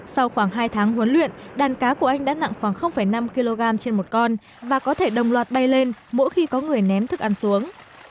sau khoảng hai tháng huấn luyện đàn cá của anh đã nặng khoảng năm kg trên một con và có thể đồng loạt bay lên mỗi khi có người ném thức ăn xuống